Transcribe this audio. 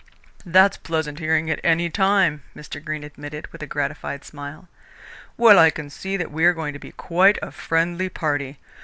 "That's pleasant hearing at any time," Mr. Greene admitted, with a gratified smile. "Well, I can see that we are going to be quite a friendly party.